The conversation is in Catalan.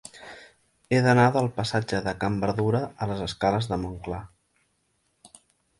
He d'anar del passatge de Can Berdura a les escales de Montclar.